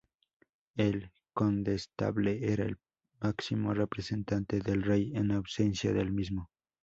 El condestable era el máximo representante del rey en ausencia del mismo.